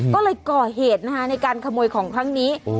ก็เลยก่อเหตุนะคะในการขโมยของครั้งนี้